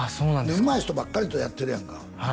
うまい人ばっかりとやってるやんか